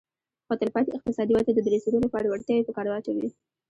خو تلپاتې اقتصادي ودې ته د رسېدو لپاره وړتیاوې په کار واچوي